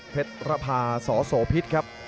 เพชรพาสสพิษครับ